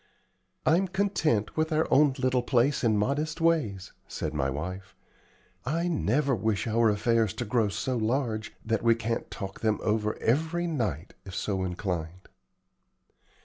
"I'm content with our own little place and modest ways," said my wife. "I never wish our affairs to grow so large that we can't talk them over every night, if so inclined."